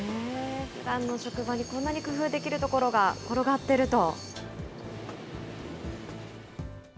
ふだんの職場でこんなに工夫できるところが転がっていると。